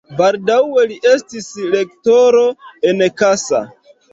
Baldaŭe li estis rektoro en Kassa.